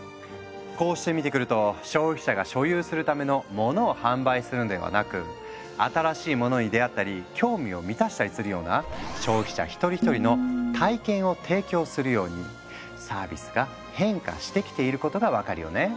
こうして見てくると消費者が所有するための「モノ」を販売するんではなく新しいものに出会ったり興味を満たしたりするような消費者一人一人の「体験」を提供するようにサービスが変化してきていることが分かるよね。